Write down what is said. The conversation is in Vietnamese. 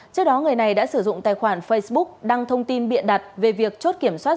trước đó người này đã sử dụng tài khoản facebook đăng thông tin biện đặt về việc chốt kiểm soát